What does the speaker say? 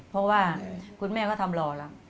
เพราะว่าคุณแม่ก็ทำรอแล้ว